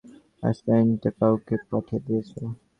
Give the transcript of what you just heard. অ্যাসেটটা কাউকে পাঠিয়ে দিয়েছে।